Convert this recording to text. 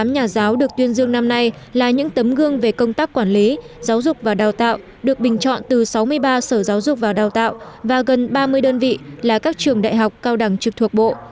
tám mươi nhà giáo được tuyên dương năm nay là những tấm gương về công tác quản lý giáo dục và đào tạo được bình chọn từ sáu mươi ba sở giáo dục và đào tạo và gần ba mươi đơn vị là các trường đại học cao đẳng trực thuộc bộ